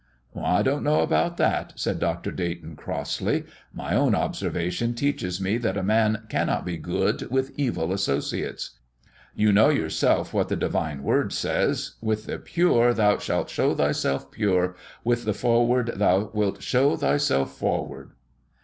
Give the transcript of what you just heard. "I don't know about that," said Dr. Dayton, crossly. "My own observation teaches me that a man cannot be good with evil associates. You know yourself what the Divine Word says 'With the pure thou wilt show thyself pure, with the froward thou wilt show thyself froward.'"